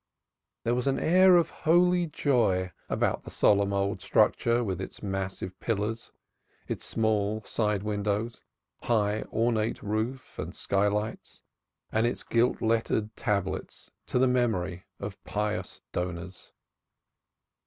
There was an air of holy joy about the solemn old structure with its massive pillars, its small side windows, high ornate roof, and skylights, and its gilt lettered tablets to the memory of pious donors.